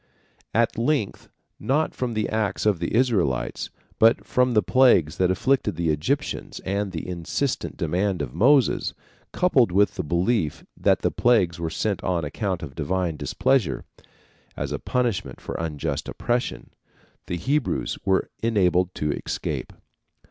At length, not from the acts of the Israelites, but from the plagues that afflicted the Egyptians and the insistent demand of Moses, coupled with the belief that the plagues were sent on account of divine displeasure, as a punishment for unjust oppression, the Hebrews were enabled to escape.